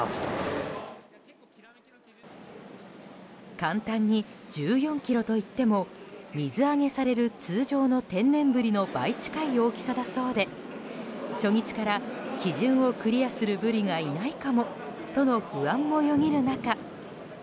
簡単に１４ｋｇといっても水揚げされる通常の天然ブリの倍近い大きさだそうで初日から基準をクリアするブリがいないかもとの不安もよぎる中。